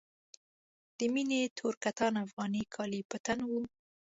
د مينې تور کتان افغاني کالي په تن وو.